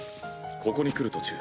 ここに来る途中。